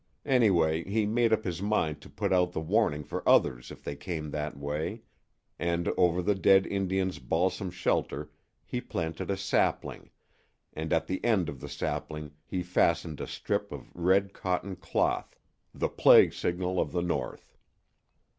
Anyway, he made up his mind to put out the warning for others if they came that way, and over the dead Indian's balsam shelter he planted a sapling, and at the end of the sapling he fastened a strip of red cotton cloth the plague signal of the north.